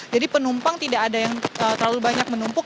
jadi penumpang tidak ada yang terlalu banyak menumpuk